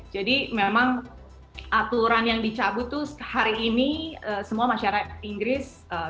jadi memang aturan yang dicabut itu hari ini semua masyarakat inggris sudah